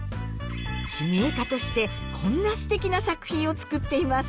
手芸家としてこんなすてきな作品を作っています。